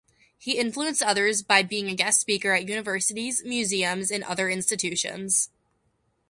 He influenced others by being a guest speaker at universities, museums, and other institutions.